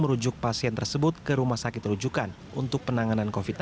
merujuk pasien tersebut ke rumah sakit rujukan untuk penanganan covid sembilan belas